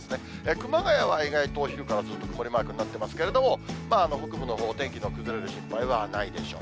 熊谷は意外とお昼からずっと曇りマークになってますけれども、北部のほう、お天気の崩れる心配はないでしょう。